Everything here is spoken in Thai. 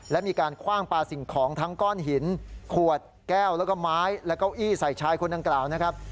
และมีการคว่างปลาสิ่งของทั้งก้อนหินขวดแก้วแล้วก็ไม้และเก้าอี้ใส่ชายคนดังกล่าวนะครับ